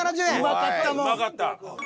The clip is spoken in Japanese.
うまかった。